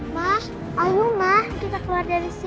mas ayo mas kita keluar dari sini